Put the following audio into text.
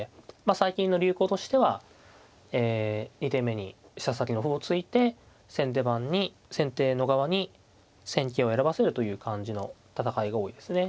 最近の流行としては２手目に飛車先の歩を突いて先手番に先手の側に戦型を選ばせるという感じの戦いが多いですね。